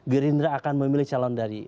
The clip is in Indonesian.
gerindra akan memilih calon dari